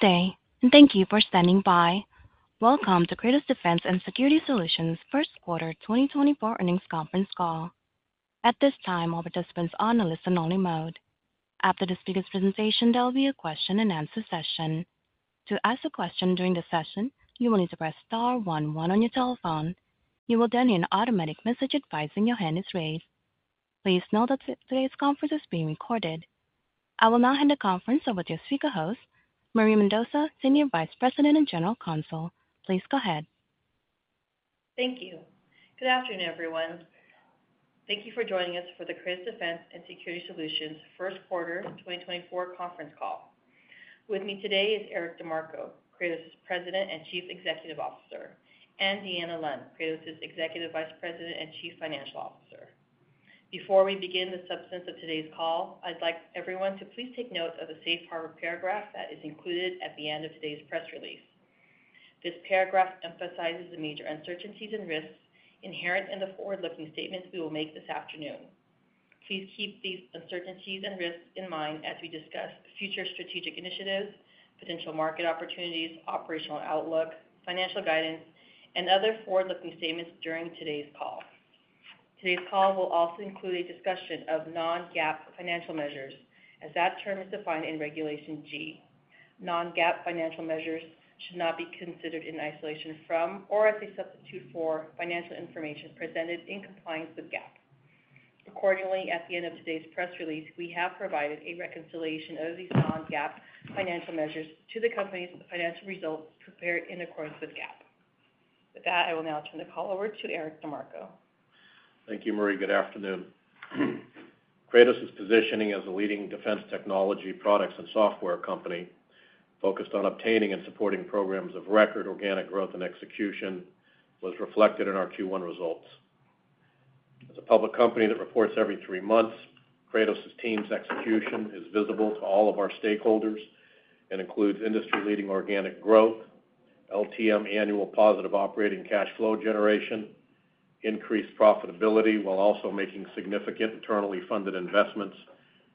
Good day, and thank you for standing by. Welcome to Kratos Defense & Security Solutions' First Quarter 2024 earnings conference call. At this time, all participants are on a listen-only mode. After the speaker's presentation, there will be a question-and-answer session. To ask a question during the session, you will need to press star one one on your telephone. You will then hear an automatic message advising your hand is raised. Please note that today's conference is being recorded. I will now hand the conference over to your speaker host, Marie Mendoza, Senior Vice President and General Counsel. Please go ahead. Thank you. Good afternoon, everyone. Thank you for joining us for the Kratos Defense & Security Solutions' first quarter 2024 conference call. With me today is Eric DeMarco, Kratos' President and Chief Executive Officer, and Deanna Lund, Kratos' Executive Vice President and Chief Financial Officer. Before we begin the substance of today's call, I'd like everyone to please take note of the safe harbor paragraph that is included at the end of today's press release. This paragraph emphasizes the major uncertainties and risks inherent in the forward-looking statements we will make this afternoon. Please keep these uncertainties and risks in mind as we discuss future strategic initiatives, potential market opportunities, operational outlook, financial guidance, and other forward-looking statements during today's call. Today's call will also include a discussion of non-GAAP financial measures, as that term is defined in Regulation G. Non-GAAP financial measures should not be considered in isolation from or as a substitute for financial information presented in compliance with GAAP. Accordingly, at the end of today's press release, we have provided a reconciliation of these non-GAAP financial measures to the company's financial results prepared in accordance with GAAP. With that, I will now turn the call over to Eric DeMarco. Thank you, Marie. Good afternoon. Kratos' positioning as a leading defense technology products and software company focused on obtaining and supporting programs of record organic growth and execution was reflected in our Q1 results. As a public company that reports every three months, Kratos' team's execution is visible to all of our stakeholders and includes industry-leading organic growth, LTM annual positive operating cash flow generation, increased profitability while also making significant internally funded investments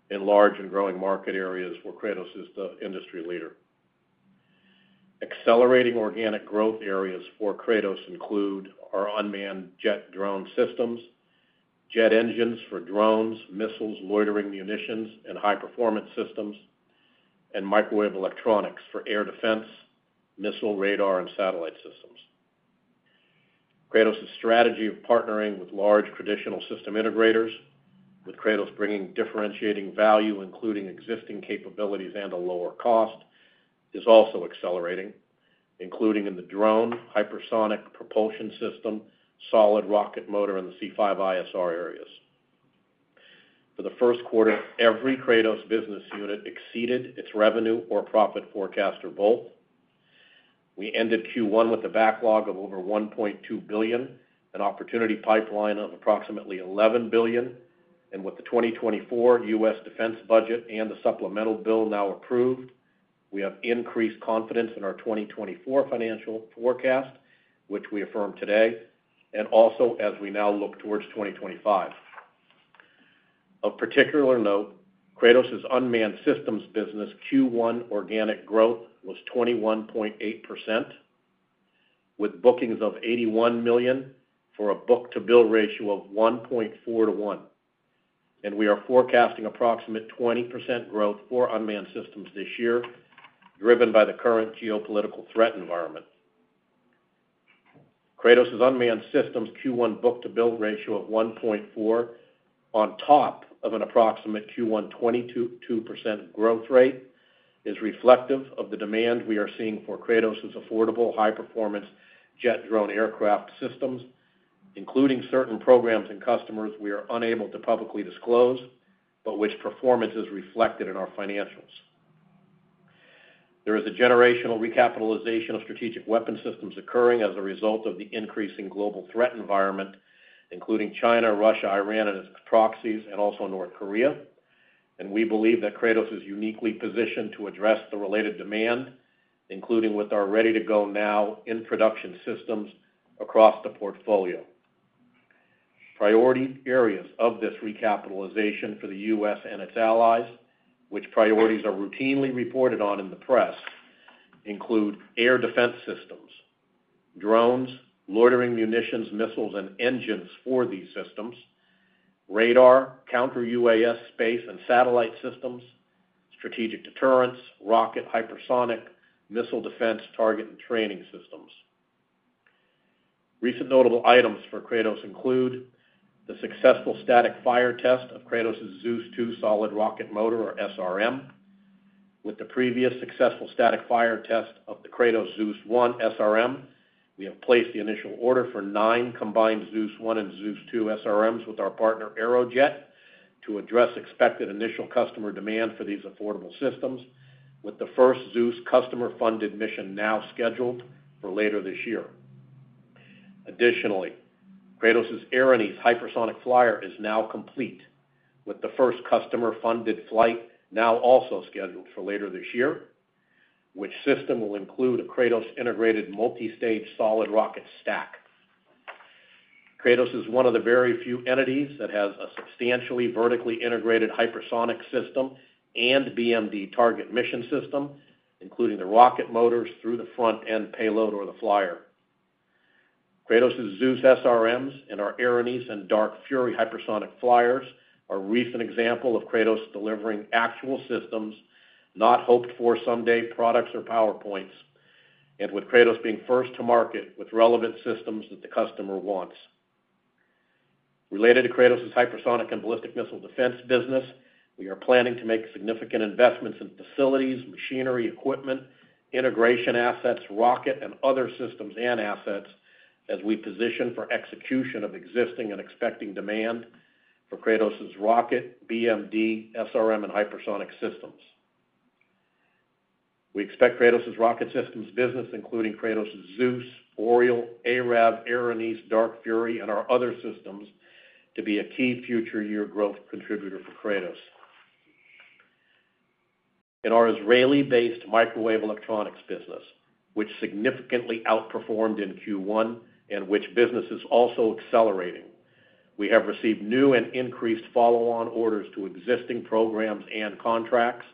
in large and growing market areas where Kratos is the industry leader. Accelerating organic growth areas for Kratos include our unmanned jet drone systems, jet engines for drones, missiles, loitering munitions, and high-performance systems, and microwave electronics for air defense, missile, radar, and satellite systems. Kratos' strategy of partnering with large traditional system integrators, with Kratos bringing differentiating value including existing capabilities and a lower cost, is also accelerating, including in the drone, hypersonic propulsion system, solid rocket motor, and the C5ISR areas. For the first quarter, every Kratos business unit exceeded its revenue or profit forecast or both. We ended Q1 with a backlog of over $1.2 billion, an opportunity pipeline of approximately $11 billion, and with the 2024 U.S. defense budget and the supplemental bill now approved, we have increased confidence in our 2024 financial forecast, which we affirm today, and also as we now look towards 2025. Of particular note, Kratos' unmanned systems business Q1 organic growth was 21.8%, with bookings of $81 million for a book-to-bill ratio of 1.4 to 1. We are forecasting approximate 20% growth for unmanned systems this year, driven by the current geopolitical threat environment. Kratos' unmanned systems Q1 book-to-bill ratio of 1.4 on top of an approximate Q1 22% growth rate is reflective of the demand we are seeing for Kratos' affordable high-performance jet drone aircraft systems, including certain programs and customers we are unable to publicly disclose, but which performance is reflected in our financials. There is a generational recapitalization of strategic weapon systems occurring as a result of the increasing global threat environment, including China, Russia, Iran, and its proxies, and also North Korea. We believe that Kratos is uniquely positioned to address the related demand, including with our ready-to-go now in production systems across the portfolio. Priority areas of this recapitalization for the U.S. and its allies, which priorities are routinely reported on in the press, include air defense systems, drones, loitering munitions, missiles, and engines for these systems, radar, counter-UAS space and satellite systems, strategic deterrence, rocket, hypersonic, missile defense target and training systems. Recent notable items for Kratos include the successful static fire test of Kratos' Zeus 2 solid rocket motor, or SRM. With the previous successful static fire test of the Kratos Zeus 1 SRM, we have placed the initial order for nine combined Zeus 1 and Zeus 2 SRMs with our partner Aerojet to address expected initial customer demand for these affordable systems, with the first Zeus customer-funded mission now scheduled for later this year. Additionally, Kratos' Erinyes hypersonic flyer is now complete, with the first customer-funded flight now also scheduled for later this year, which system will include a Kratos integrated multi-stage solid rocket stack. Kratos is one of the very few entities that has a substantially vertically integrated hypersonic system and BMD target mission system, including the rocket motors through the front end payload or the flyer. Kratos' Zeus SRMs and our Erinyes and Dark Fury hypersonic flyers are a recent example of Kratos delivering actual systems, not hoped-for-someday products or PowerPoints, and with Kratos being first to market with relevant systems that the customer wants. Related to Kratos' hypersonic and ballistic missile defense business, we are planning to make significant investments in facilities, machinery, equipment, integration assets, rocket, and other systems and assets as we position for execution of existing and expecting demand for Kratos' rocket, BMD, SRM, and hypersonic systems. We expect Kratos' rocket systems business, including Kratos' Zeus, Oriole, ARAV, Erinyes, Dark Fury, and our other systems, to be a key future year growth contributor for Kratos. In our Israeli-based microwave electronics business, which significantly outperformed in Q1 and which business is also accelerating, we have received new and increased follow-on orders to existing programs and contracts,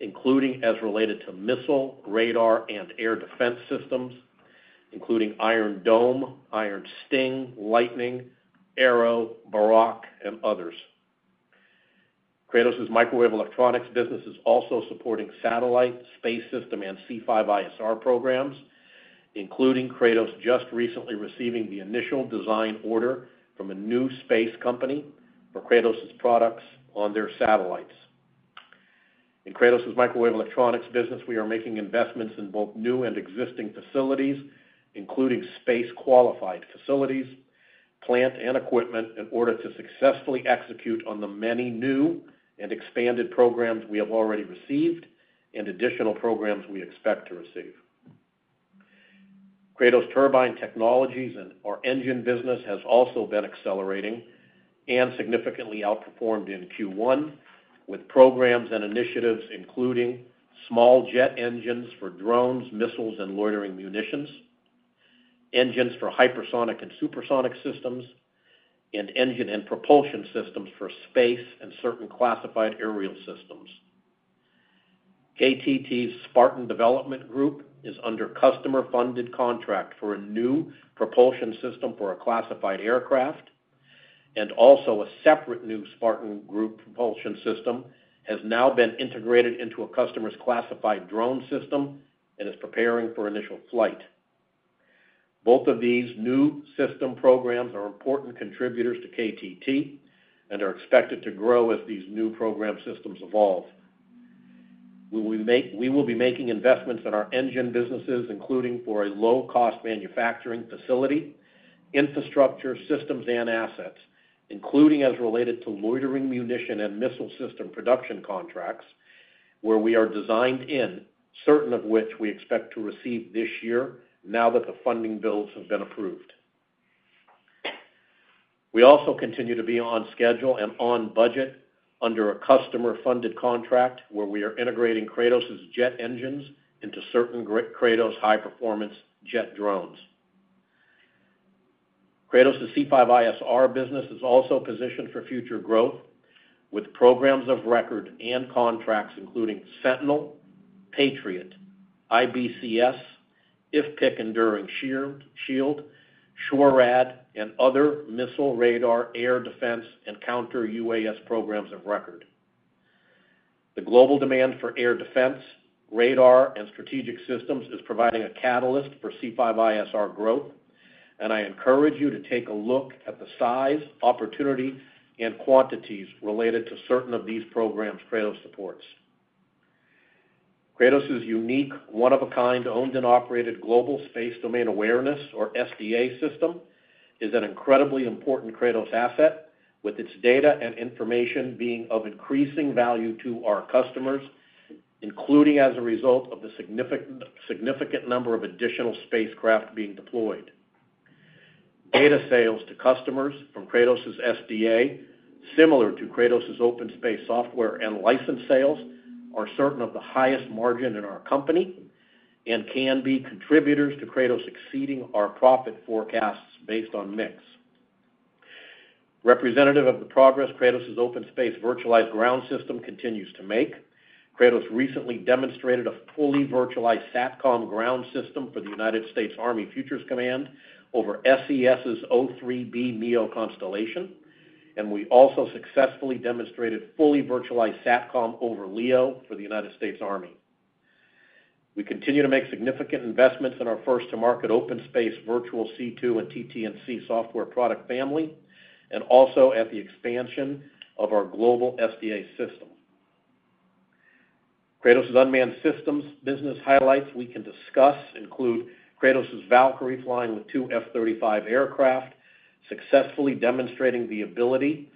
including as related to missile, radar, and air defense systems, including Iron Dome, Iron Sting, Litening, Arrow, Barak, and others. Kratos' microwave electronics business is also supporting satellite, space system, and C5ISR programs, including Kratos just recently receiving the initial design order from a new space company for Kratos' products on their satellites. In Kratos' microwave electronics business, we are making investments in both new and existing facilities, including space-qualified facilities, plant, and equipment in order to successfully execute on the many new and expanded programs we have already received and additional programs we expect to receive. Kratos Turbine Technologies and our engine business has also been accelerating and significantly outperformed in Q1 with programs and initiatives including small jet engines for drones, missiles, and loitering munitions, engines for hypersonic and supersonic systems, and engine and propulsion systems for space and certain classified aerial systems. KTT's Spartan Development Group is under customer-funded contract for a new propulsion system for a classified aircraft, and also a separate new Spartan Group propulsion system has now been integrated into a customer's classified drone system and is preparing for initial flight. Both of these new system programs are important contributors to KTT and are expected to grow as these new program systems evolve. We will be making investments in our engine businesses, including for a low-cost manufacturing facility, infrastructure, systems, and assets, including as related to loitering munition and missile system production contracts where we are designed in, certain of which we expect to receive this year now that the funding bills have been approved. We also continue to be on schedule and on budget under a customer-funded contract where we are integrating Kratos' jet engines into certain Kratos high-performance jet drones. Kratos' C5ISR business is also positioned for future growth with programs of record and contracts including Sentinel, Patriot, IBCS, IFPC and Enduring Shield, SHORAD, and other missile, radar, air defense, and counter-UAS programs of record. The global demand for air defense, radar, and strategic systems is providing a catalyst for C5ISR growth, and I encourage you to take a look at the size, opportunity, and quantities related to certain of these programs Kratos supports. Kratos' unique, one-of-a-kind, owned and operated global space domain awareness, or SDA, system is an incredibly important Kratos asset, with its data and information being of increasing value to our customers, including as a result of the significant number of additional spacecraft being deployed. Data sales to customers from Kratos' SDA, similar to Kratos' open space software and license sales, are certain of the highest margin in our company and can be contributors to Kratos exceeding our profit forecasts based on mix. Representative of the progress Kratos' OpenSpace virtualized ground system continues to make, Kratos recently demonstrated a fully virtualized SATCOM ground system for the United States Army Futures Command over SES's O3b MEO constellation, and we also successfully demonstrated fully virtualized SATCOM over LEO for the United States Army. We continue to make significant investments in our first-to-market OpenSpace virtual C2 and TT&C software product family and also at the expansion of our global SDA system. Kratos' unmanned systems business highlights we can discuss include Kratos' Valkyrie flying with two F-35 aircraft, successfully demonstrating the ability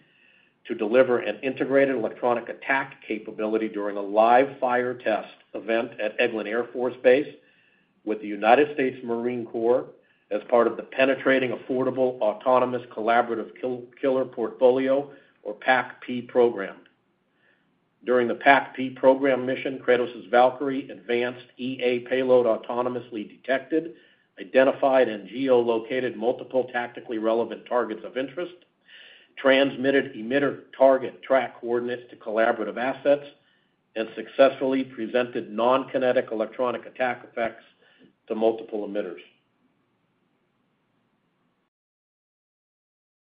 to deliver an integrated electronic attack capability during a live fire test event at Eglin Air Force Base with the United States Marine Corps as part of the Penetrating Affordable Autonomous Collaborative Killer portfolio, or PAACK program. During the PAACK-P program mission, Kratos' Valkyrie advanced EA payload autonomously detected, identified, and geolocated multiple tactically relevant targets of interest, transmitted emitter target track coordinates to collaborative assets, and successfully presented nonkinetic electronic attack effects to multiple emitters.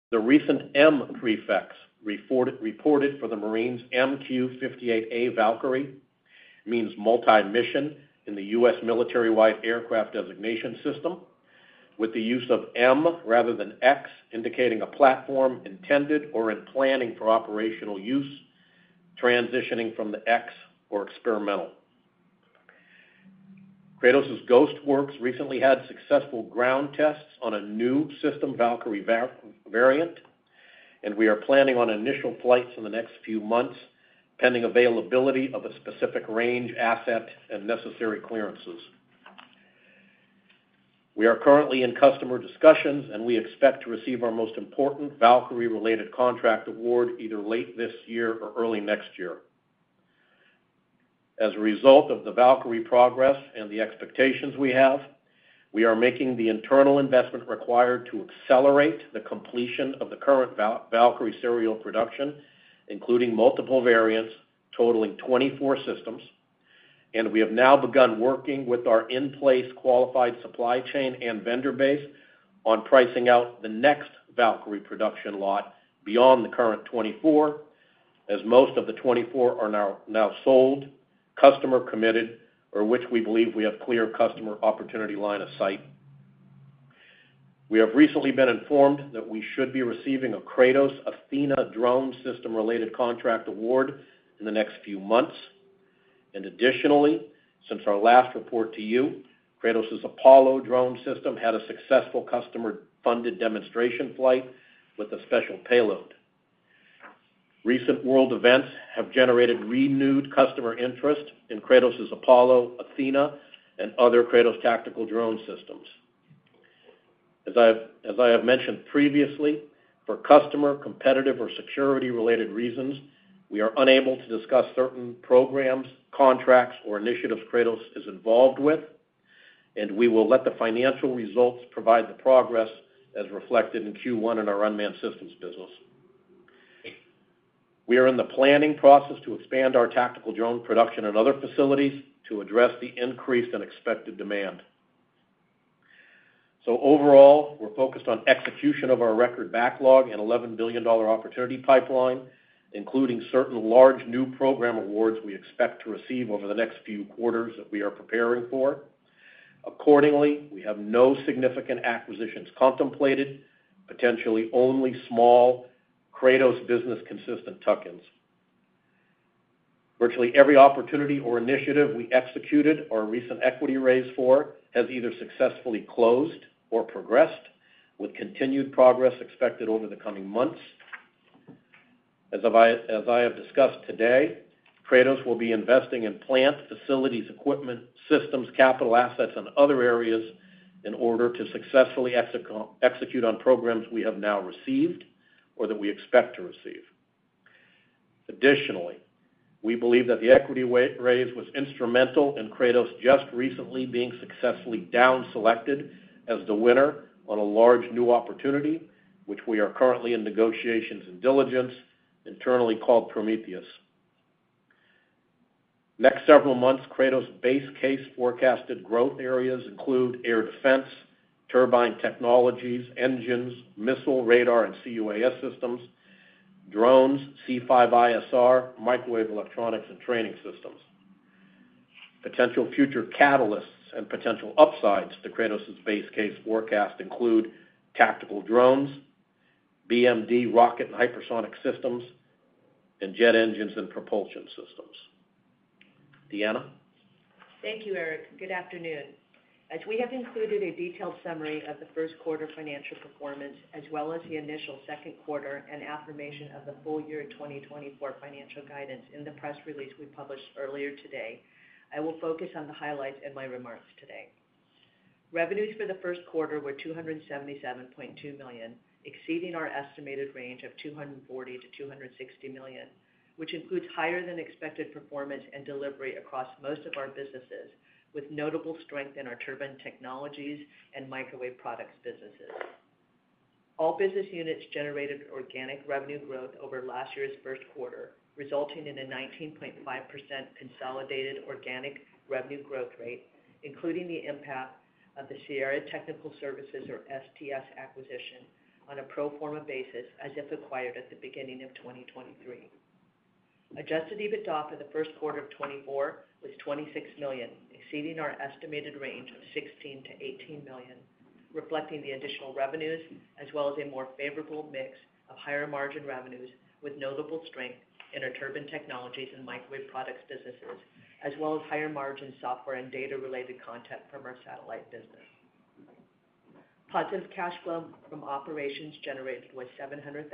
The recent M prefix reported for the Marines MQ-58A Valkyrie means multi-mission in the U.S. military-wide aircraft designation system, with the use of M rather than X indicating a platform intended or in planning for operational use, transitioning from the X for experimental. Kratos' Ghost Works recently had successful ground tests on a new system Valkyrie variant, and we are planning on initial flights in the next few months pending availability of a specific range asset and necessary clearances. We are currently in customer discussions, and we expect to receive our most important Valkyrie-related contract award either late this year or early next year. As a result of the Valkyrie progress and the expectations we have, we are making the internal investment required to accelerate the completion of the current Valkyrie serial production, including multiple variants totaling 24 systems, and we have now begun working with our in-place qualified supply chain and vendor base on pricing out the next Valkyrie production lot beyond the current 24, as most of the 24 are now sold, customer committed, or which we believe we have clear customer opportunity line of sight. We have recently been informed that we should be receiving a Kratos Athena drone system-related contract award in the next few months. Additionally, since our last report to you, Kratos' Apollo drone system had a successful customer-funded demonstration flight with a special payload. Recent world events have generated renewed customer interest in Kratos' Apollo, Athena, and other Kratos tactical drone systems. As I have mentioned previously, for customer, competitive, or security-related reasons, we are unable to discuss certain programs, contracts, or initiatives Kratos is involved with, and we will let the financial results provide the progress as reflected in Q1 in our unmanned systems business. We are in the planning process to expand our tactical drone production and other facilities to address the increased and expected demand. So overall, we're focused on execution of our record backlog and $11 billion opportunity pipeline, including certain large new program awards we expect to receive over the next few quarters that we are preparing for. Accordingly, we have no significant acquisitions contemplated, potentially only small Kratos business-consistent tuck-ins. Virtually every opportunity or initiative we executed or recent equity raised for has either successfully closed or progressed, with continued progress expected over the coming months. As I have discussed today, Kratos will be investing in plant, facilities, equipment, systems, capital assets, and other areas in order to successfully execute on programs we have now received or that we expect to receive. Additionally, we believe that the equity raise was instrumental in Kratos just recently being successfully down-selected as the winner on a large new opportunity, which we are currently in negotiations and diligence, internally called Prometheus. Next several months, Kratos base case forecasted growth areas include air defense, turbine technologies, engines, missile, radar, and CUAS systems, drones, C5ISR, microwave electronics, and training systems. Potential future catalysts and potential upsides to Kratos' base case forecast include tactical drones, BMD rocket and hypersonic systems, and jet engines and propulsion systems. Deanna. Thank you, Eric. Good afternoon. As we have included a detailed summary of the first quarter financial performance as well as the initial second quarter and affirmation of the full year 2024 financial guidance in the press release we published earlier today, I will focus on the highlights and my remarks today. Revenues for the first quarter were $277.2 million, exceeding our estimated range of $240 million-$260 million, which includes higher-than-expected performance and delivery across most of our businesses, with notable strength in our turbine technologies and microwave products businesses. All business units generated organic revenue growth over last year's first quarter, resulting in a 19.5% consolidated organic revenue growth rate, including the impact of the Sierra Technical Services, or STS, acquisition on a pro forma basis as if acquired at the beginning of 2023. Adjusted EBITDA for the first quarter of 2024 was $26 million, exceeding our estimated range of $16 million-$18 million, reflecting the additional revenues as well as a more favorable mix of higher-margin revenues with notable strength in our turbine technologies and microwave products businesses, as well as higher-margin software and data-related content from our satellite business. Positive cash flow from operations generated was $700,000,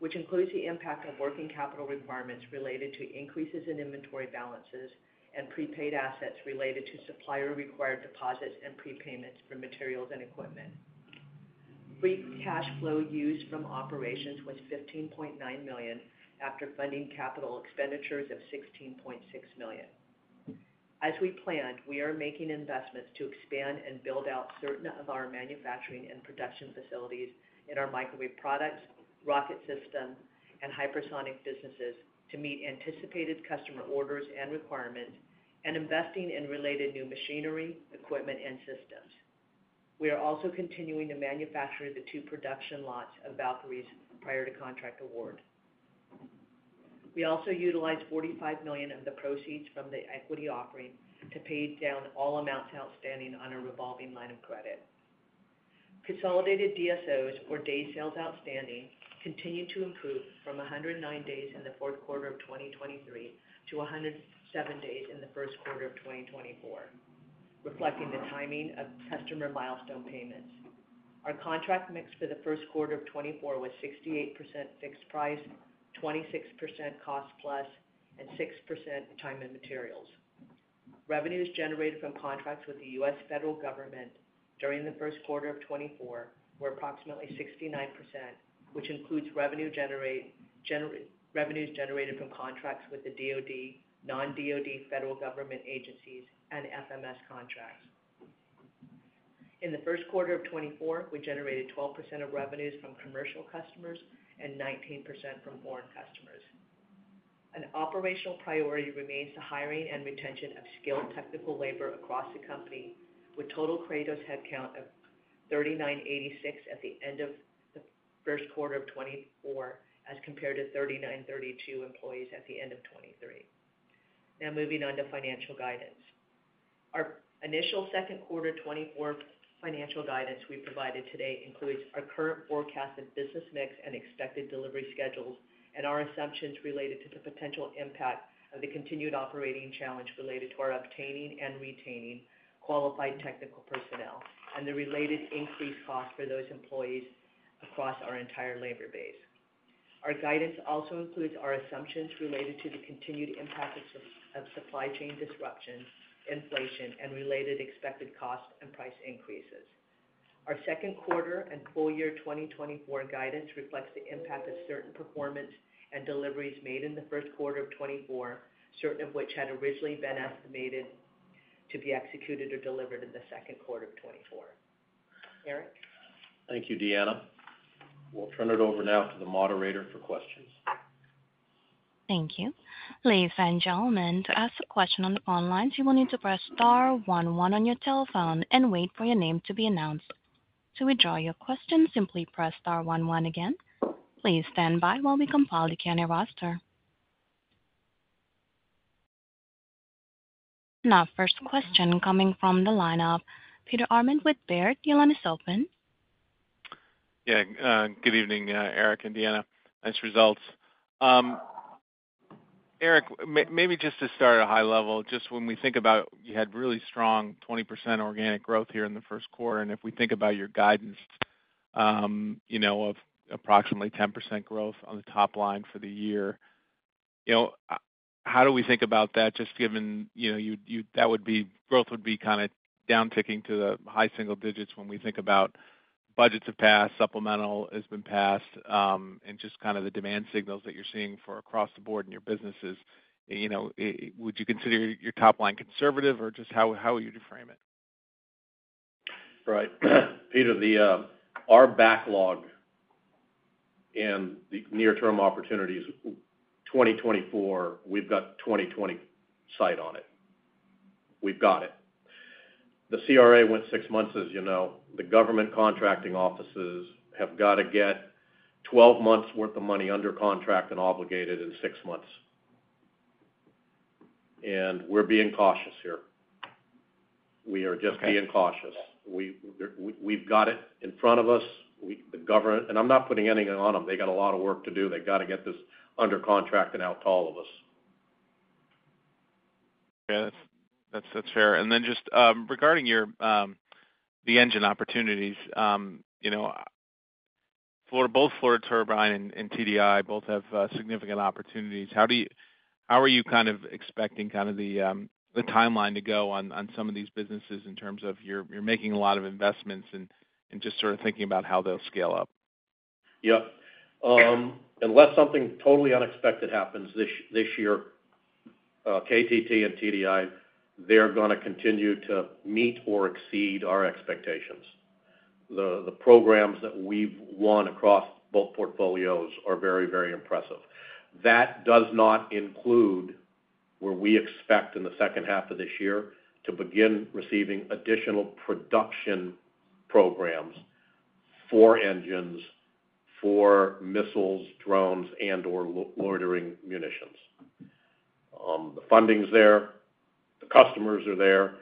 which includes the impact of working capital requirements related to increases in inventory balances and prepaid assets related to supplier-required deposits and prepayments for materials and equipment. Free cash flow used from operations was $15.9 million after funding capital expenditures of $16.6 million. As we planned, we are making investments to expand and build out certain of our manufacturing and production facilities in our microwave products, rocket system, and hypersonic businesses to meet anticipated customer orders and requirements, and investing in related new machinery, equipment, and systems. We are also continuing to manufacture the two production lots of Valkyries prior to contract award. We also utilized $45 million of the proceeds from the equity offering to pay down all amounts outstanding on our revolving line of credit. Consolidated DSOs, or day sales outstanding, continue to improve from 109 days in the fourth quarter of 2023 to 107 days in the first quarter of 2024, reflecting the timing of customer milestone payments. Our contract mix for the first quarter of 2024 was 68% fixed price, 26% cost-plus, and 6% time and materials. Revenues generated from contracts with the U.S. federal government during the first quarter of 2024 were approximately 69%, which includes revenues generated from contracts with the DOD, non-DOD federal government agencies, and FMS contracts. In the first quarter of 2024, we generated 12% of revenues from commercial customers and 19% from foreign customers. An operational priority remains the hiring and retention of skilled technical labor across the company, with total Kratos headcount of 3,986 at the end of the first quarter of 2024 as compared to 3,932 employees at the end of 2023. Now moving on to financial guidance. Our initial second quarter 2024 financial guidance we provided today includes our current forecasted business mix and expected delivery schedules and our assumptions related to the potential impact of the continued operating challenge related to our obtaining and retaining qualified technical personnel and the related increased costs for those employees across our entire labor base. Our guidance also includes our assumptions related to the continued impact of supply chain disruption, inflation, and related expected cost and price increases. Our second quarter and full year 2024 guidance reflects the impact of certain performance and deliveries made in the first quarter of 2024, certain of which had originally been estimated to be executed or delivered in the second quarter of 2024. Eric. Thank you, Deanna. We'll turn it over now to the moderator for questions. Thank you. Ladies and gentlemen, to ask a question online, you will need to press star one one on your telephone and wait for your name to be announced. To withdraw your question, simply press star one one again. Please stand by while we compile the Q&A roster. Now, first question coming from the lineup. Peter Arment with Baird, the line is open. Yeah. Good evening, Eric and Deanna. Nice results. Eric, maybe just to start at a high level, just when we think about you had really strong 20% organic growth here in the first quarter, and if we think about your guidance of approximately 10% growth on the top line for the year, how do we think about that just given that growth would be kind of downticking to the high single digits when we think about budgets have passed, supplemental has been passed, and just kind of the demand signals that you're seeing across the board in your businesses? Would you consider your top line conservative or just how would you reframe it? Right. Peter, our backlog and the near-term opportunities 2024, we've got 2020 sight on it. We've got it. The CRA went six months. As you know, the government contracting offices have got to get 12 months' worth of money under contract and obligated in six months. We're being cautious here. We are just being cautious. We've got it in front of us. I'm not putting anything on them. They got a lot of work to do. They got to get this under contract and out to all of us. Yeah. That's fair. Then just regarding the engine opportunities, both Florida Turbine and TDI both have significant opportunities. How are you kind of expecting kind of the timeline to go on some of these businesses in terms of you're making a lot of investments and just sort of thinking about how they'll scale up? Yep. Unless something totally unexpected happens this year, KTT and TDI, they're going to continue to meet or exceed our expectations. The programs that we've won across both portfolios are very, very impressive. That does not include where we expect in the second half of this year to begin receiving additional production programs for engines, for missiles, drones, and/or loitering munitions. The funding's there. The customers are there.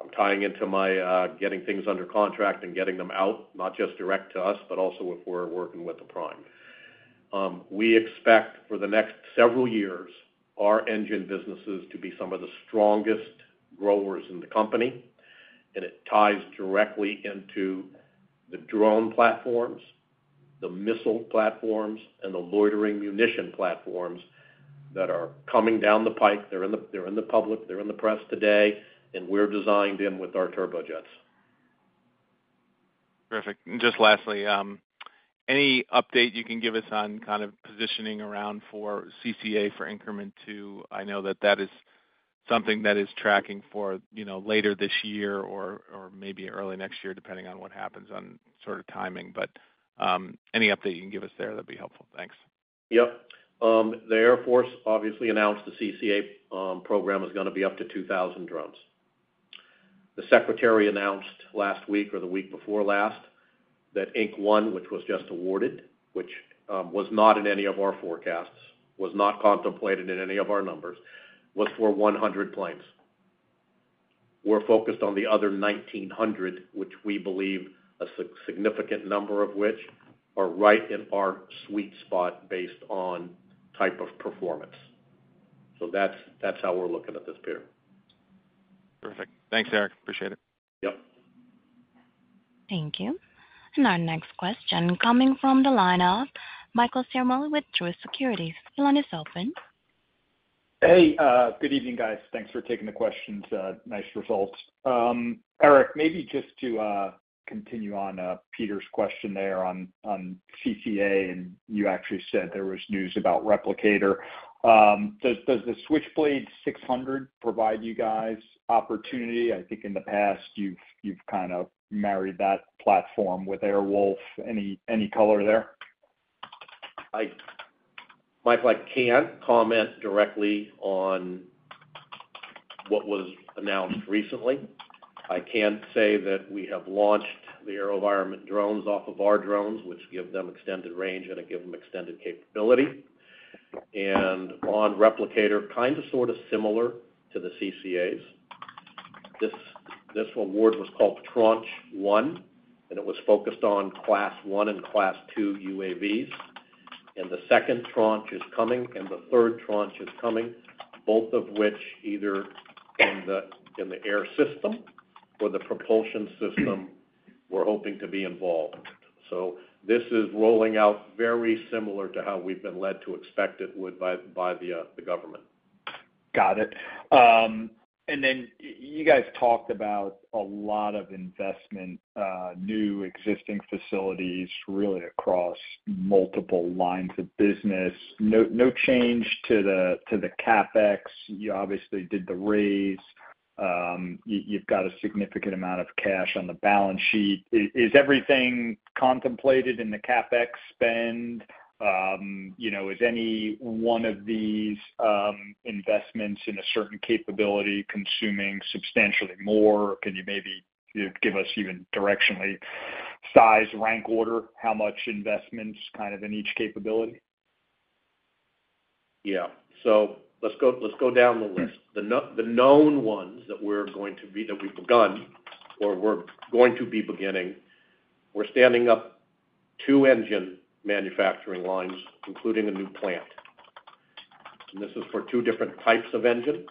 I'm tying into my getting things under contract and getting them out, not just direct to us, but also if we're working with the prime. We expect for the next several years, our engine businesses to be some of the strongest growers in the company, and it ties directly into the drone platforms, the missile platforms, and the loitering munition platforms that are coming down the pike. They're in the public. They're in the press today, and we're designed in with our turbojets. Perfect. And just lastly, any update you can give us on kind of positioning around for CCA for increment two? I know that that is something that is tracking for later this year or maybe early next year, depending on what happens on sort of timing. But any update you can give us there, that'd be helpful. Thanks. Yep. The Air Force obviously announced the CCA program is going to be up to 2,000 drones. The secretary announced last week or the week before last that Increment One, which was just awarded, which was not in any of our forecasts, was not contemplated in any of our numbers, was for 100 planes. We're focused on the other 1,900, which we believe a significant number of which are right in our sweet spot based on type of performance. So that's how we're looking at this, Peter. Perfect. Thanks, Eric. Appreciate it. Yep. Thank you. And our next question coming from the lineup, Michael Ciarmoli with Truist Securities. The line is open. Hey. Good evening, guys. Thanks for taking the questions. Nice results. Eric, maybe just to continue on Peter's question there on CCA, and you actually said there was news about Replicator. Does the Switchblade 600 provide you guys opportunity? I think in the past, you've kind of married that platform with Air Wolf. Any color there? Michael, I can't comment directly on what was announced recently. I can say that we have launched the AeroVironment drones off of our drones, which give them extended range, and it gives them extended capability. And on Replicator, kind of sort of similar to the CCAs, this award was called Tranche One, and it was focused on Class One and Class Two UAVs. And the second tranche is coming, and the third tranche is coming, both of which either in the air system or the propulsion system, we're hoping to be involved. So this is rolling out very similar to how we've been led to expect it would by the government. Got it. And then you guys talked about a lot of investment, new existing facilities, really across multiple lines of business. No change to the CapEx. You obviously did the raise. You've got a significant amount of cash on the balance sheet. Is everything contemplated in the CapEx spend? Is any one of these investments in a certain capability consuming substantially more? Can you maybe give us even directionally size, rank order, how much investments kind of in each capability? Yeah. So let's go down the list. The known ones that we're going to be that we've begun or we're going to be beginning, we're standing up two engine manufacturing lines, including a new plant. This is for two different types of engine,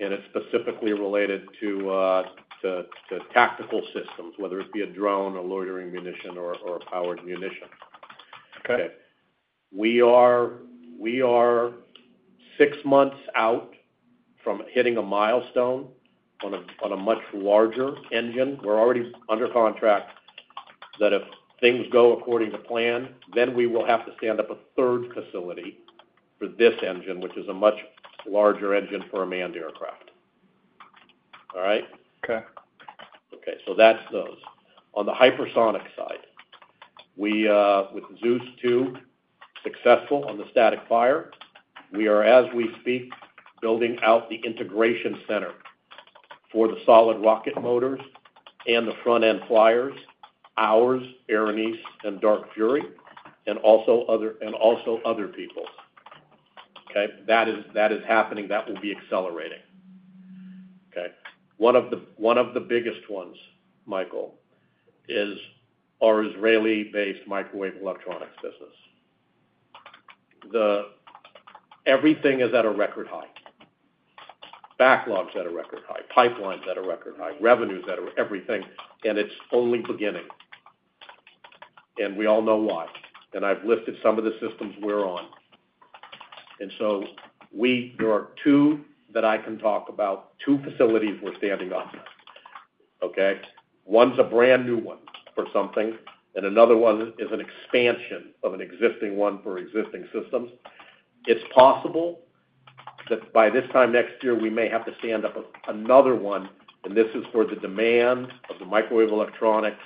and it's specifically related to tactical systems, whether it be a drone, a loitering munition, or a powered munition. Okay. We are six months out from hitting a milestone on a much larger engine. We're already under contract that if things go according to plan, then we will have to stand up a third facility for this engine, which is a much larger engine for a manned aircraft. All right? Okay. Okay. So that's those. On the hypersonic side, with Zeus 2, successful on the static fire. We are, as we speak, building out the integration center for the solid rocket motors and the front-end flyers, ours, Erinyes, and Dark Fury, and also other people's. Okay? That is happening. That will be accelerating. Okay? One of the biggest ones, Michael, is our Israeli-based microwave electronics business. Everything is at a record high. Backlog's at a record high. Pipeline's at a record high. Revenue's at a everything. And it's only beginning. And we all know why. And I've listed some of the systems we're on. And so there are two that I can talk about, two facilities we're standing up. Okay? One's a brand new one for something, and another one is an expansion of an existing one for existing systems. It's possible that by this time next year, we may have to stand up another one, and this is for the demand of the microwave electronics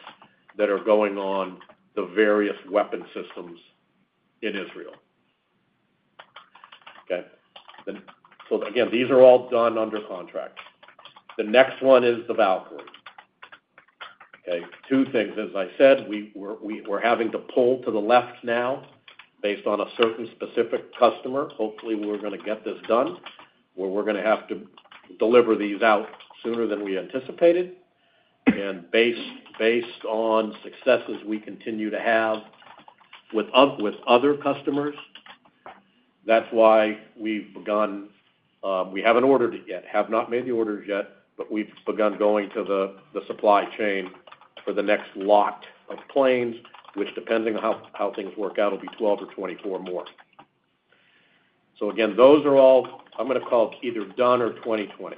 that are going on the various weapon systems in Israel. Okay? So again, these are all done under contract. The next one is the Valkyrie. Okay? Two things. As I said, we're having to pull to the left now based on a certain specific customer. Hopefully, we're going to get this done where we're going to have to deliver these out sooner than we anticipated. And based on successes we continue to have with other customers, that's why we've begun we haven't ordered it yet, have not made the orders yet, but we've begun going to the supply chain for the next lot of planes, which, depending on how things work out, will be 12 or 24 more. So again, those are all I'm going to call either done or 2020.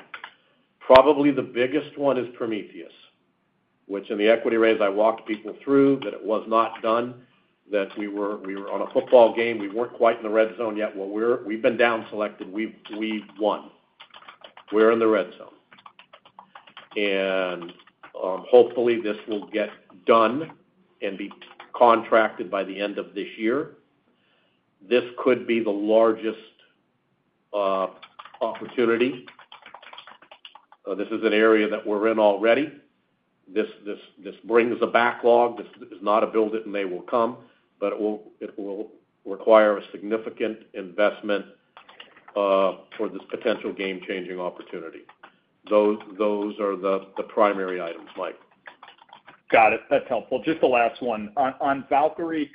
Probably the biggest one is Prometheus, which in the equity raise, I walked people through that it was not done, that we were on a football game. We weren't quite in the red zone yet. We've been downselected. We've won. We're in the red zone. And hopefully, this will get done and be contracted by the end of this year. This could be the largest opportunity. This is an area that we're in already. This brings a backlog. This is not a build-it, and they will come, but it will require a significant investment for this potential game-changing opportunity. Those are the primary items, Mike. Got it. That's helpful. Just the last one. On Valkyrie,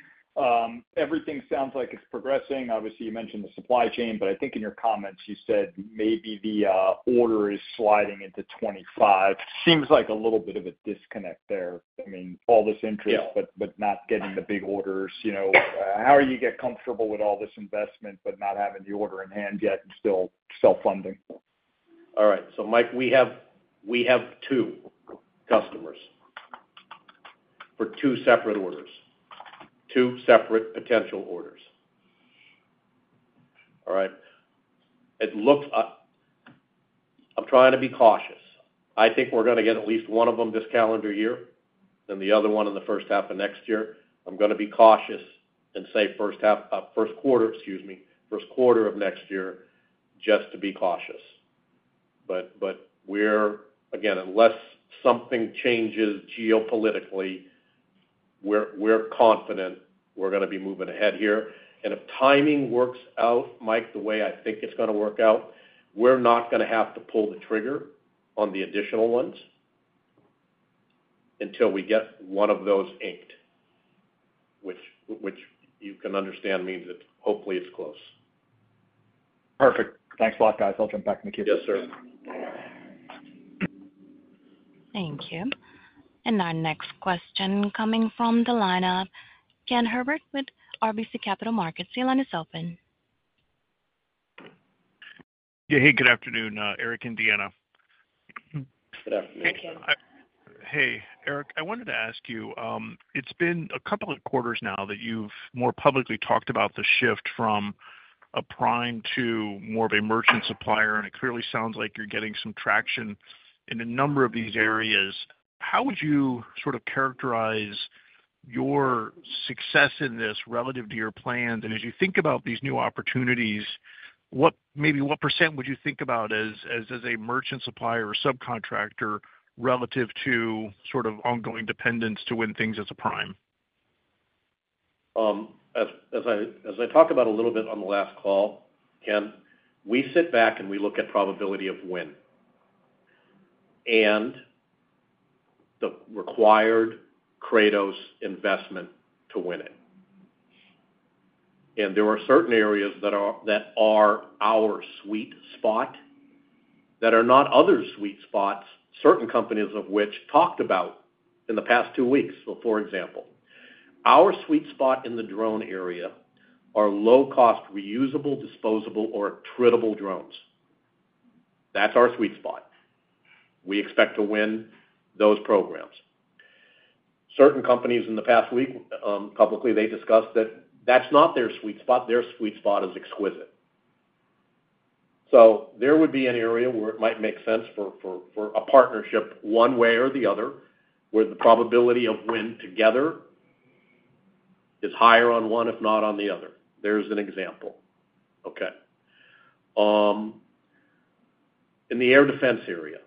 everything sounds like it's progressing. Obviously, you mentioned the supply chain, but I think in your comments, you said maybe the order is sliding into 2025. Seems like a little bit of a disconnect there. I mean, all this interest but not getting the big orders. How are you get comfortable with all this investment but not having the order in hand yet and still self-funding? All right. So Mike, we have two customers for two separate orders, two separate potential orders. All right. I'm trying to be cautious. I think we're going to get at least one of them this calendar year and the other one in the first half of next year. I'm going to be cautious and say first quarter excuse me, first quarter of next year just to be cautious. But again, unless something changes geopolitically, we're confident we're going to be moving ahead here. And if timing works out, Mike, the way I think it's going to work out, we're not going to have to pull the trigger on the additional ones until we get one of those inked, which you can understand means that hopefully, it's close. Perfect. Thanks a lot, guys. I'll jump back in the queue. Yes, sir. Thank you. And our next question coming from the lineup, Ken Herbert with RBC Capital Markets. The line is open. Yeah. Hey. Good afternoon, Eric and Deanna. Good afternoon. Hi, Ken. Hey, Eric. I wanted to ask you, it's been a couple of quarters now that you've more publicly talked about the shift from a prime to more of a merchant supplier, and it clearly sounds like you're getting some traction in a number of these areas. How would you sort of characterize your success in this relative to your plans? And as you think about these new opportunities, maybe what % would you think about as a merchant supplier or subcontractor relative to sort of ongoing dependence to win things as a prime? As I talked about a little bit on the last call, Ken, we sit back and we look at probability of win and the required Kratos investment to win it. And there are certain areas that are our sweet spot that are not other sweet spots, certain companies of which talked about in the past two weeks. So for example, our sweet spot in the drone area are low-cost, reusable, disposable, or attritable drones. That's our sweet spot. We expect to win those programs. Certain companies in the past week, publicly, they discussed that that's not their sweet spot. Their sweet spot is exquisite. So there would be an area where it might make sense for a partnership one way or the other where the probability of win together is higher on one, if not on the other. There's an example. Okay. In the air defense area,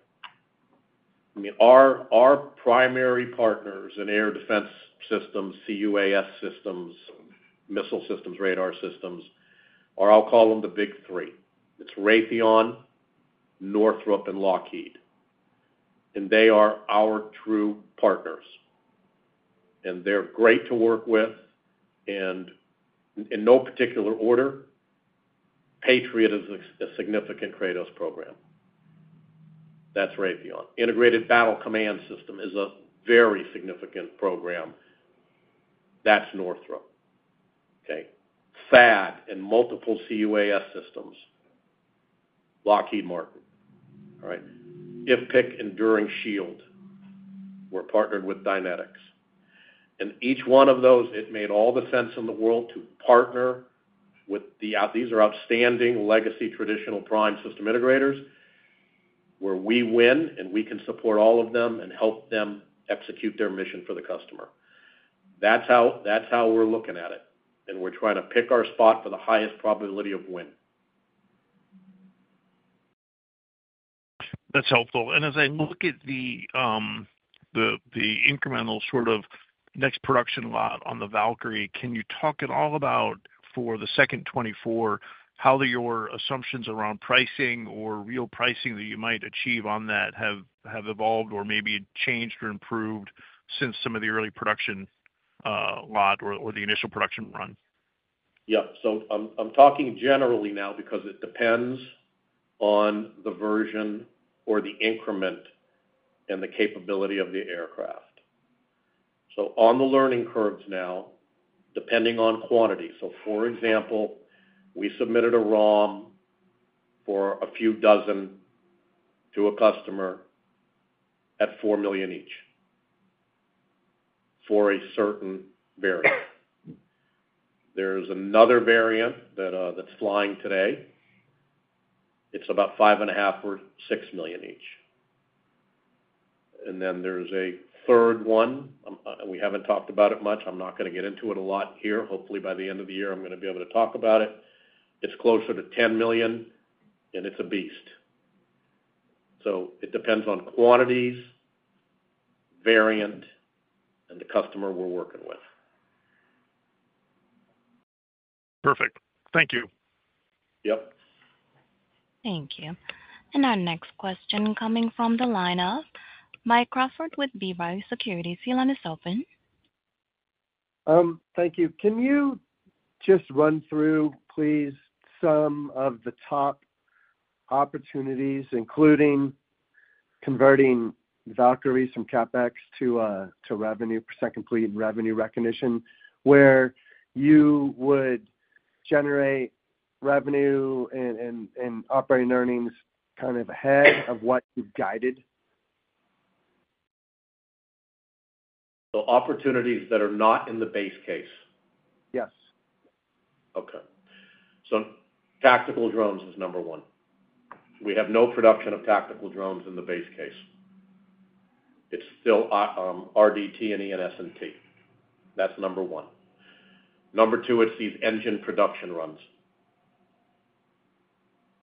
I mean, our primary partners in air defense systems, CUAS systems, missile systems, radar systems are I'll call them the big three. It's Raytheon, Northrop, and Lockheed. And they are our true partners. And they're great to work with. And in no particular order, Patriot is a significant Kratos program. That's Raytheon. Integrated Battle Command System is a very significant program. That's Northrop Grumman. Okay? SDA and multiple C-UAS systems, Lockheed Martin. All right? IFPC, Enduring Shield. We're partnered with Dynetics. And each one of those, it made all the sense in the world to partner with them. These are outstanding legacy traditional prime system integrators where we win, and we can support all of them and help them execute their mission for the customer. That's how we're looking at it. And we're trying to pick our spot for the highest probability of win. That's helpful. As I look at the incremental sort of next production lot on the Valkyrie, can you talk at all about for the second 2024, how your assumptions around pricing or real pricing that you might achieve on that have evolved or maybe changed or improved since some of the early production lot or the initial production run? Yep. So I'm talking generally now because it depends on the version or the increment and the capability of the aircraft. So on the learning curves now, depending on quantity so for example, we submitted a ROM for a few dozen to a customer at $4 million each for a certain variant. There's another variant that's flying today. It's about $5.5 million-$6 million each. And then there's a third one. We haven't talked about it much. I'm not going to get into it a lot here. Hopefully, by the end of the year, I'm going to be able to talk about it. It's closer to $10 million, and it's a beast. So it depends on quantities, variant, and the customer we're working with. Perfect. Thank you. Yep. Thank you. And our next question coming from the lineup, Mike Crawford with B. Riley Securities. The line is open. Thank you. Can you just run through, please, some of the top opportunities, including converting Valkyrie from CapEx to revenue, percent complete revenue recognition, where you would generate revenue and operating earnings kind of ahead of what you've guided? So opportunities that are not in the base case? Yes. Okay. So tactical drones is number one. We have no production of tactical drones in the base case. It's still RDT&E and S&T. That's number one. Number two, it's these engine production runs.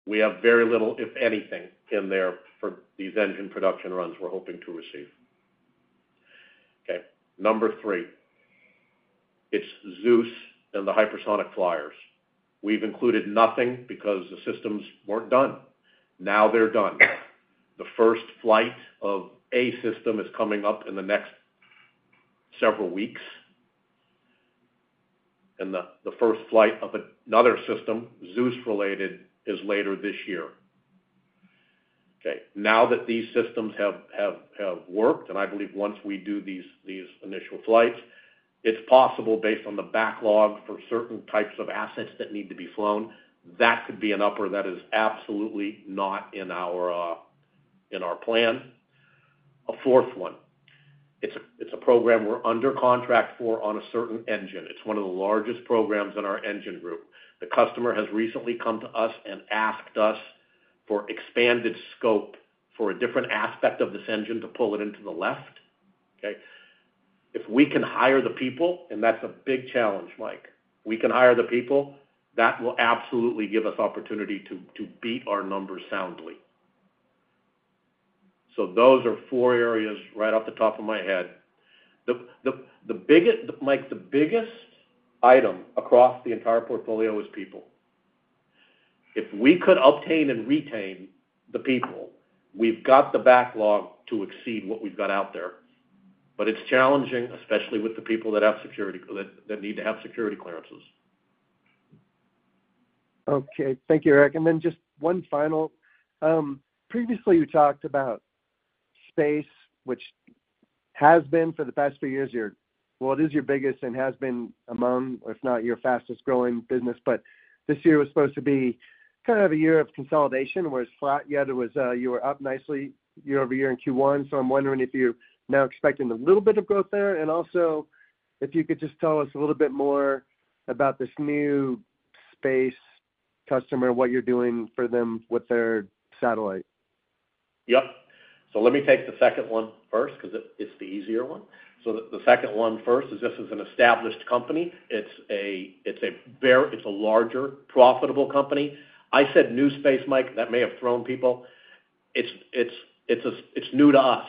We have very little, if anything, in there for these engine production runs we're hoping to receive. Okay? Number 3, it's Zeus and the hypersonic flyers. We've included nothing because the systems weren't done. Now they're done. The first flight of a system is coming up in the next several weeks. And the first flight of another system, Zeus-related, is later this year. Okay? Now that these systems have worked and I believe once we do these initial flights, it's possible based on the backlog for certain types of assets that need to be flown, that could be an upper that is absolutely not in our plan. A fourth one, it's a program we're under contract for on a certain engine. It's one of the largest programs in our engine group. The customer has recently come to us and asked us for expanded scope for a different aspect of this engine to pull it into the left. Okay? If we can hire the people, and that's a big challenge, Mike. We can hire the people. That will absolutely give us opportunity to beat our numbers soundly. So those are four areas right off the top of my head. Mike, the biggest item across the entire portfolio is people. If we could obtain and retain the people, we've got the backlog to exceed what we've got out there. But it's challenging, especially with the people that need to have security clearances. Okay. Thank you, Eric. And then just one final. Previously, you talked about space, which has been for the past few years well, it is your biggest and has been among, if not your fastest-growing business. But this year was supposed to be kind of a year of consolidation where it's flat. Yet, you were up nicely year-over-year in Q1. So I'm wondering if you're now expecting a little bit of growth there and also if you could just tell us a little bit more about this new space customer, what you're doing for them with their satellite. Yep. So let me take the second one first because it's the easier one. So the second one first is this is an established company. It's a larger profitable company. I said new space, Mike. That may have thrown people. It's new to us,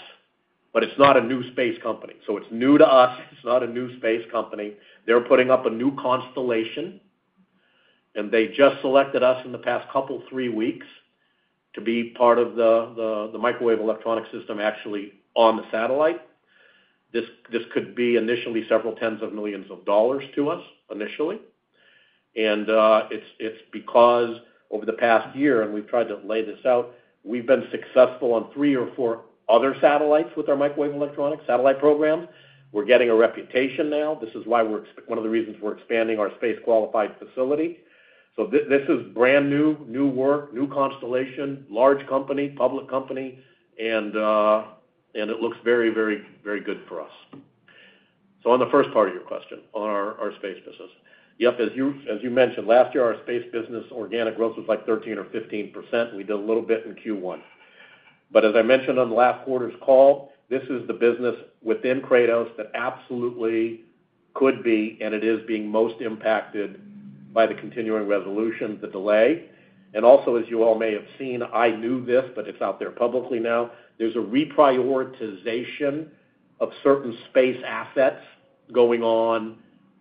but it's not a new space company. So it's new to us. It's not a new space company. They're putting up a new constellation, and they just selected us in the past couple, three weeks to be part of the microwave electronic system actually on the satellite. This could be initially $ several tens of millions to us initially. And it's because over the past year and we've tried to lay this out, we've been successful on three or four other satellites with our microwave electronic satellite programs. We're getting a reputation now. This is why we're one of the reasons we're expanding our space-qualified facility. So this is brand new, new work, new constellation, large company, public company, and it looks very, very, very good for us. So on the first part of your question, on our space business. Yep. As you mentioned, last year, our space business organic growth was like 13% or 15%. We did a little bit in Q1. But as I mentioned on the last quarter's call, this is the business within Kratos that absolutely could be, and it is being most impacted by the continuing resolution, the delay. And also, as you all may have seen, I knew this, but it's out there publicly now. There's a reprioritization of certain space assets going on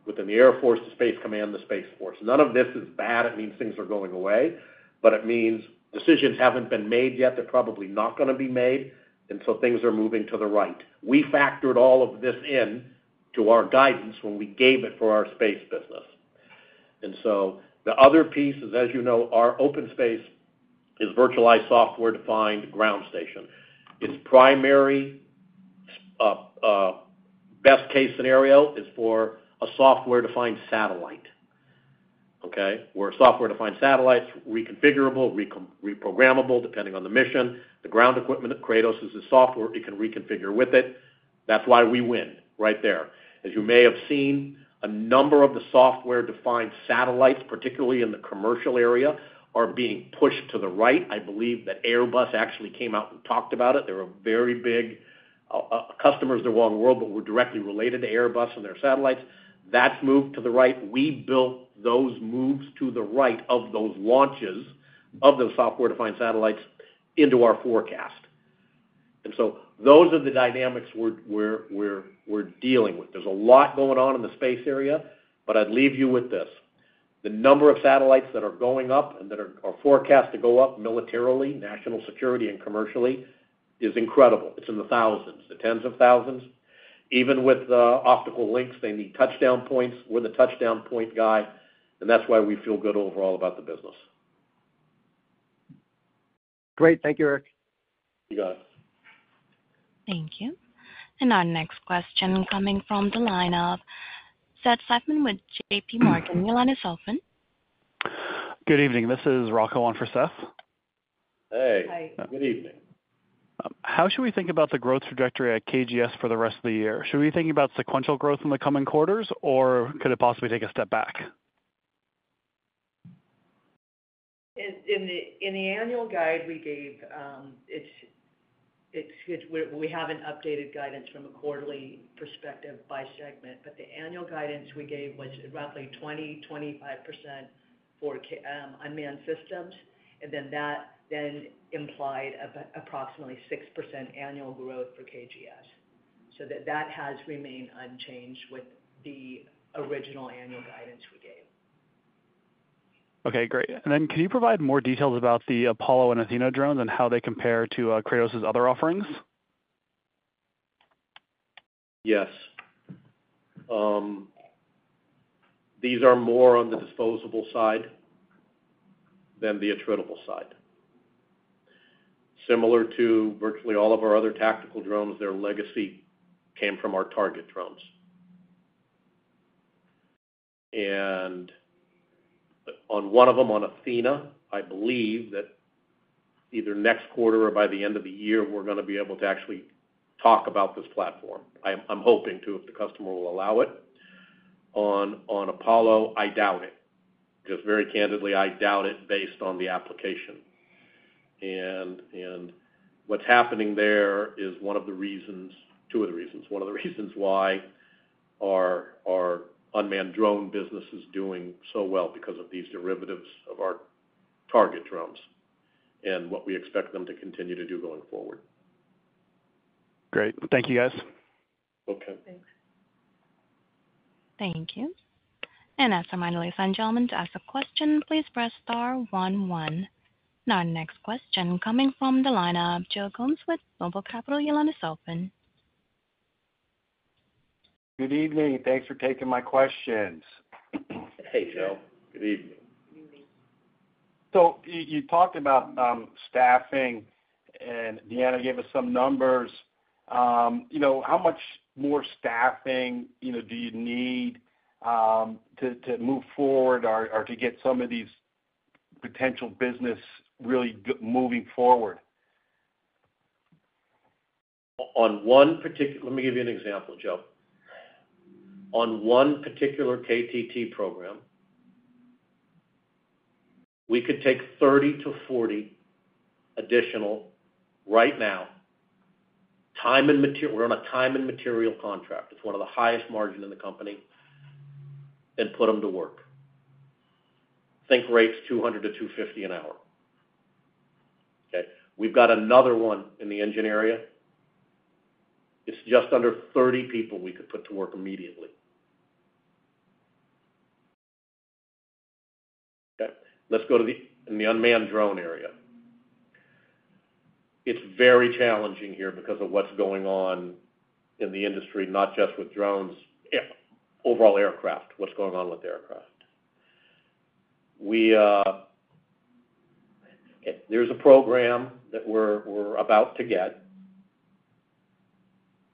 within the Air Force, the Space Command, the Space Force. None of this is bad. It means things are going away, but it means decisions haven't been made yet. They're probably not going to be made. And so things are moving to the right. We factored all of this into our guidance when we gave it for our space business. And so the other piece is, as you know, our OpenSpace is virtualized software-defined ground station. Its primary best-case scenario is for a software-defined satellite. Okay? Where software-defined satellites reconfigurable, reprogrammable depending on the mission. The ground equipment at Kratos is a software. It can reconfigure with it. That's why we win right there. As you may have seen, a number of the software-defined satellites, particularly in the commercial area, are being pushed to the right. I believe that Airbus actually came out and talked about it. They're very big customers. They're world renowned, but we're directly related to Airbus and their satellites. That's moved to the right. We built those moves to the right of those launches of those software-defined satellites into our forecast. And so those are the dynamics we're dealing with. There's a lot going on in the space area, but I'd leave you with this. The number of satellites that are going up and that are forecast to go up militarily, national security, and commercially is incredible. It's in the thousands, the tens of thousands. Even with the optical links, they need touchdown points. We're the touchdown point guy. And that's why we feel good overall about the business. Great. Thank you, Eric. You got it. Thank you. And our next question coming from the lineup, Seth Seifman with JPMorgan. The line is open. Good evening. This is Rocco on for Seth. Hey. Hi. Good evening. How should we think about the growth trajectory at KGS for the rest of the year? Should we be thinking about sequential growth in the coming quarters, or could it possibly take a step back? In the annual guide we gave, we have an updated guidance from a quarterly perspective by segment. But the annual guidance we gave was roughly 20%-25% for unmanned systems. And then that then implied approximately 6% annual growth for KGS. So that has remained unchanged with the original annual guidance we gave. Okay. Great. And then can you provide more details about the Apollo and Athena drones and how they compare to Kratos's other offerings? Yes. These are more on the disposable side than the attritable side. Similar to virtually all of our other tactical drones, their legacy came from our target drones. And on one of them, on Athena, I believe that either next quarter or by the end of the year, we're going to be able to actually talk about this platform. I'm hoping to if the customer will allow it. On Apollo, I doubt it. Just very candidly, I doubt it based on the application. And what's happening there is one of the reasons two of the reasons. One of the reasons why our unmanned drone business is doing so well because of these derivatives of our target drones and what we expect them to continue to do going forward. Great. Thank you, guys. Okay. Thanks. Thank you. And as a reminder, ladies and gentlemen, to ask a question, please press star one one. Now, our next question coming from the lineup, Joe Gomes with Noble Capital. The line is open. Good evening. Thanks for taking my questions. Hey, Joe. Good evening. Good evening. So you talked about staffing, and Deanna gave us some numbers. How much more staffing do you need to move forward or to get some of these potential business really moving forward? On one particular let me give you an example, Joe. On one particular KTT program, we could take 30-40 additional right now. We're on a time and material contract. It's one of the highest margin in the company. And put them to work. Think rates 200-250 an hour. Okay? We've got another one in the engine area. It's just under 30 people we could put to work immediately. Okay? Let's go to the unmanned drone area. It's very challenging here because of what's going on in the industry, not just with drones, overall aircraft, what's going on with aircraft. Okay. There's a program that we're about to get.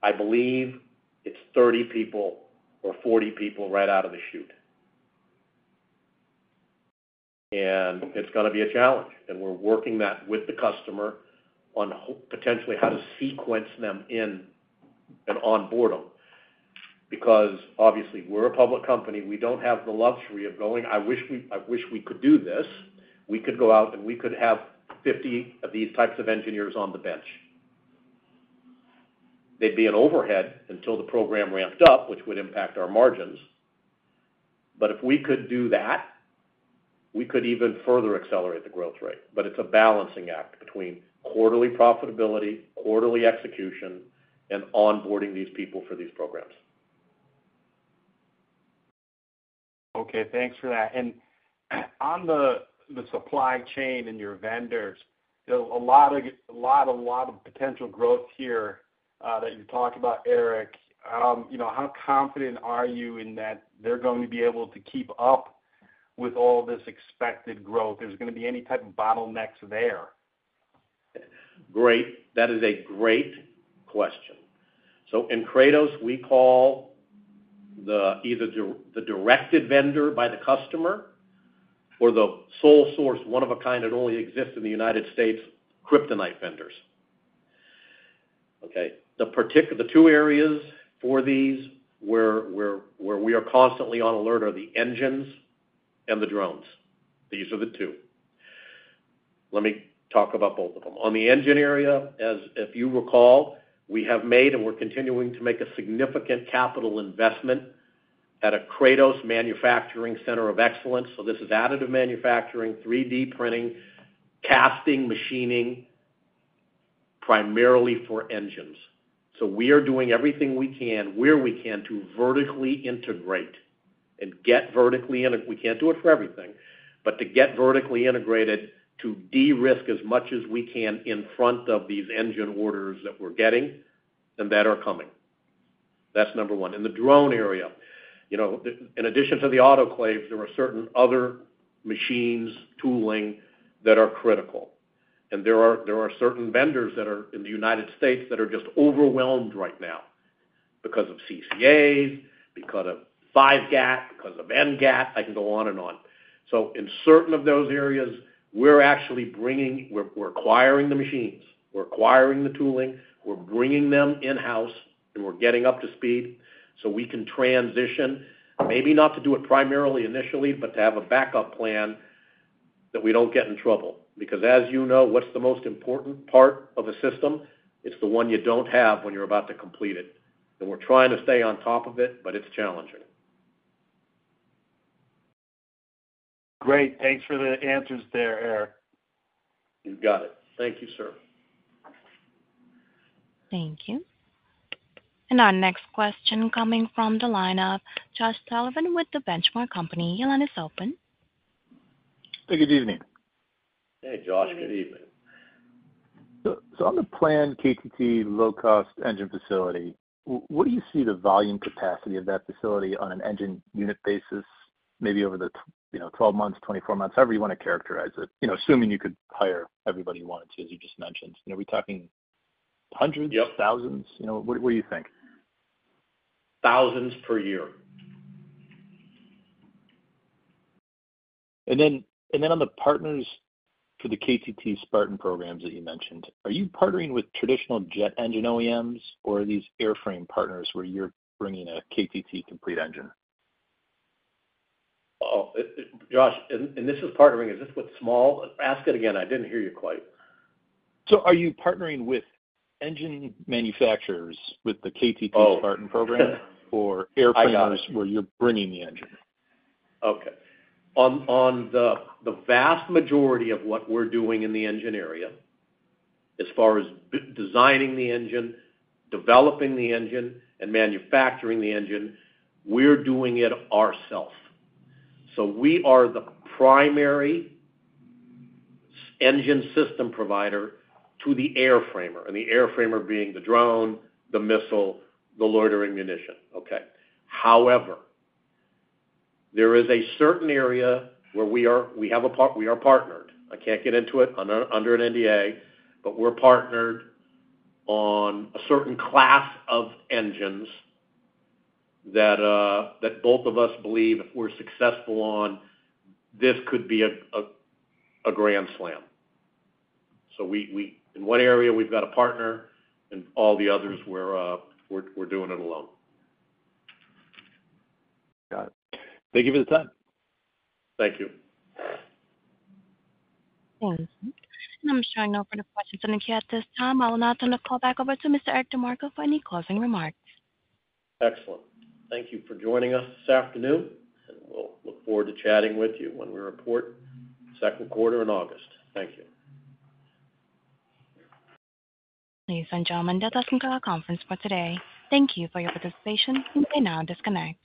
I believe it's 30 people or 40 people right out of the chute. And it's going to be a challenge. And we're working that with the customer on potentially how to sequence them in and onboard them because, obviously, we're a public company. We don't have the luxury of going I wish we could do this. We could go out, and we could have 50 of these types of engineers on the bench. They'd be an overhead until the program ramped up, which would impact our margins. But if we could do that, we could even further accelerate the growth rate. But it's a balancing act between quarterly profitability, quarterly execution, and onboarding these people for these programs. Okay. Thanks for that. And on the supply chain and your vendors, there's a lot of potential growth here that you've talked about, Eric. How confident are you in that they're going to be able to keep up with all this expected growth? Is there going to be any type of bottlenecks there? Great. That is a great question. So in Kratos, we call either the directed vendor by the customer or the sole source, one of a kind that only exists in the United States, Kryptonite vendors. Okay? The two areas for these where we are constantly on alert are the engines and the drones. These are the two. Let me talk about both of them. On the engine area, as if you recall, we have made and we're continuing to make a significant capital investment at a Kratos Manufacturing Center of Excellence. So this is additive manufacturing, 3D printing, casting, machining, primarily for engines. So we are doing everything we can, where we can, to vertically integrate and get vertically we can't do it for everything, but to get vertically integrated to de-risk as much as we can in front of these engine orders that we're getting and that are coming. That's number one. In the drone area, in addition to the autoclaves, there are certain other machines, tooling that are critical. And there are certain vendors that are in the United States that are just overwhelmed right now because of CCAs, because of 5GAT, because of NGAT. I can go on and on. So in certain of those areas, we're actually bringing we're acquiring the machines. We're acquiring the tooling. We're bringing them in-house, and we're getting up to speed so we can transition, maybe not to do it primarily initially, but to have a backup plan that we don't get in trouble because, as you know, what's the most important part of a system? It's the one you don't have when you're about to complete it. And we're trying to stay on top of it, but it's challenging. Great. Thanks for the answers there, Eric. You got it. Thank you, sir. Thank you. And our next question coming from the lineup, Josh Sullivan with the Benchmark Company. The line is open. Hey, good evening. Hey, Josh. Good evening. So on the planned KTT low-cost engine facility, what do you see the volume capacity of that facility on an engine unit basis, maybe over the 12 months, 24 months, however you want to characterize it, assuming you could hire everybody you wanted to, as you just mentioned? Are we talking hundreds, thousands? What do you think? Thousands per year. And then on the partners for the KTT Spartan programs that you mentioned, are you partnering with traditional jet engine OEMs, or are these airframe partners where you're bringing a KTT complete engine? Oh, Josh, and this is partnering is this with small? Ask it again. I didn't hear you quite. So are you partnering with engine manufacturers with the KTT Spartan program or airframers where you're bringing the engine? Okay. On the vast majority of what we're doing in the engine area, as far as designing the engine, developing the engine, and manufacturing the engine, we're doing it ourselves. So we are the primary engine system provider to the airframer, and the airframer being the drone, the missile, the loitering munition. Okay? However, there is a certain area where we are partnered. I can't get into it under an NDA, but we're partnered on a certain class of engines that both of us believe if we're successful on, this could be a grand slam. So in one area, we've got a partner. In all the others, we're doing it alone. Got it. Thank you for the time. Thank you. Thanks. And I'm showing no further questions. And if you at this time, I will now turn the call back over to Mr. Eric DeMarco for any closing remarks. Excellent. Thank you for joining us this afternoon. We'll look forward to chatting with you when we report second quarter in August. Thank you. Ladies and gentlemen, that does conclude our conference for today. Thank you for your participation. You may now disconnect.